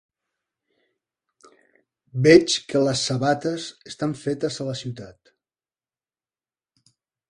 Veig que les sabates estan fetes a la ciutat.